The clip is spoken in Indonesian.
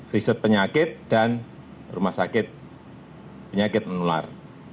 riset penyakit dan rumah sakit penyakit menular